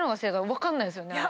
分かんないですよね。